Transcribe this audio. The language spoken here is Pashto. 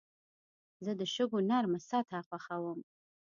زه د شګو نرمه سطحه خوښوم.